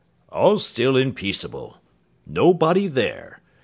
'All still and peaceable. Nobody there.